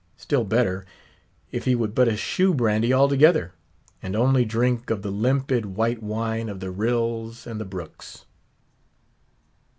Still better, if he would but eschew brandy altogether; and only drink of the limpid white wine of the rills and the brooks.